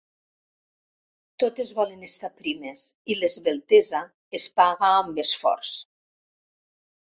Totes volen estar primes i l'esveltesa es paga amb esforç.